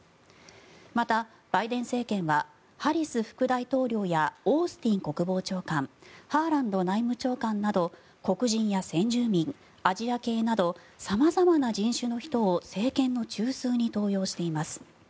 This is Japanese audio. また、バイデン政権はハリス副大統領やオースティン国防長官ハーランド内務長官など黒人や先住民、アジア系など様々な人種の人を政権の中枢に登用しています。